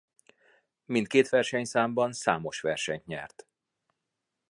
Mindkét versenyszámban számos versenyt nyert.